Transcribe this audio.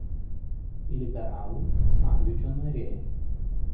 Liberalų sąjūdžio narė.